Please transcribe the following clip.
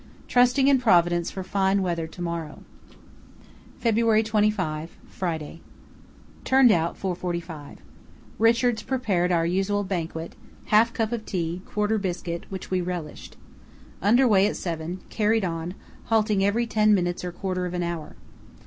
Trusting in Providence for fine weather to morrow. "February 25, Friday.—Turned out 4.45. Richards prepared our usual banquet, half cup of tea, quarter biscuit, which we relished. Under way at 7, carried on, halting every ten minutes or quarter of an hour.